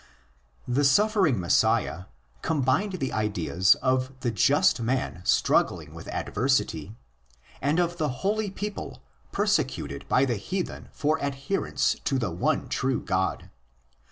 The suffering Messiah combined the ideas of the just man struggling with adversity and of the holy people persecuted by the heathen for adherence to the one true God.